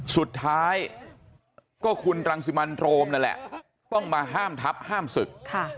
สุดท้ายก็คุณรังสิมันโรมนั่นแหละต้องมาห้ามทัพห้ามศึก